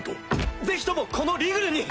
ぜひともこのリグルに！